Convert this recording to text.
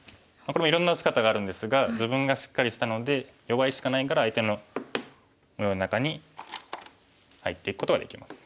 これもいろんな打ち方があるんですが自分がしっかりしたので弱い石がないから相手の模様の中に入っていくことができます。